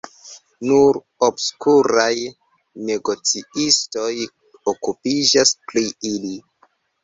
Nur obskuraj negocistoj okupiĝas pri ili.